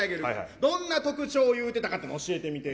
どんな特徴言うてたかっていうの教えてみてよ。